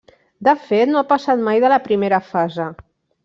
De fet, no ha passat mai de la primera fase.